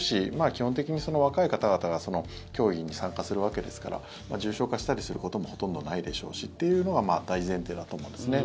基本的に若い方々が競技に参加するわけですから重症化したりすることもほとんどないでしょうしっていうのが大前提だと思うんですね。